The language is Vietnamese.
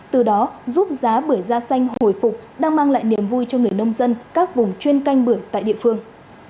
từ đó giúp giá bưởi da xanh hồi phục đang mang lại niềm vui cho người nông dân các vùng chuyên canh bưởi tại địa phương